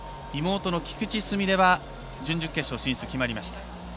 妹の菊池純礼は準々決勝進出が決まりました。